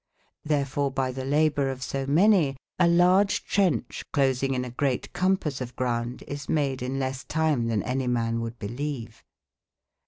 TTberefore, by tbe labour of so manyca large trencbe closinge in a greate compasse of grounde, is made in lesse tyme tben anye man woulde beleve.